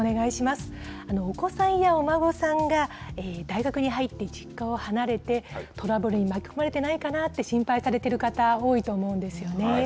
お子さんやお孫さんが、大学に入って実家を離れて、トラブルに巻き込まれてないかなって心配されている方、多いと思うんですよね。